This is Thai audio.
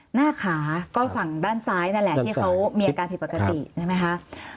หน้าขาก็ฝั่งด้านซ้ายนั่นแหละที่เขามีอาการผิดปกติใช่ไหมคะ